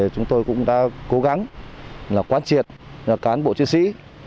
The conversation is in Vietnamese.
chúng tôi cũng đã cố gắng quan triệt cán bộ chiến sĩ